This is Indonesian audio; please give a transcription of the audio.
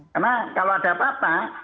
karena kalau ada papa